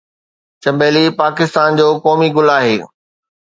چمبلي پاڪستان جو قومي گل آهي